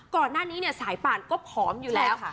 ก่อนหน้านี้เนี่ยสายปั่นก็พร้อมอยู่แล้ว